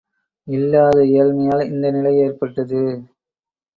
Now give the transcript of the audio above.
இல்லாத ஏழமையால் இந்த நிலை ஏற்பட்டது.